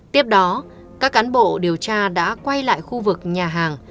tiếp đó các cán bộ điều tra đã quay lại khu vực nhà hàng